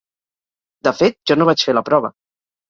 De fet, jo no vaig fer la prova.